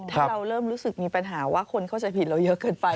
ถ้าเราเริ่มรู้สึกมีปัญหาว่าคนเข้าใจผิดเราเยอะเกินไป